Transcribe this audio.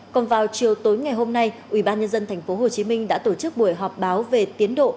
còn vào chiều tối ngày hôm nay ubnd tp hcm đã tổ chức buổi họp báo về tiến độ